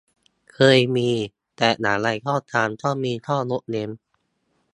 เคยมี แต่อย่างไรก็ตาม ก็มีข้อยกเว้น